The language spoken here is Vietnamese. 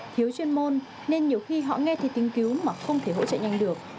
thiếu chuyên môn nên nhiều khi họ nghe thấy tiếng cứu mà không thể hỗ trợ nhanh được